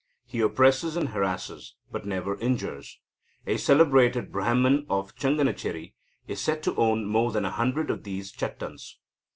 He oppresses and harasses, but never injures. A celebrated Brahman of Changanacheri is said to own more than a hundred of these Chattans.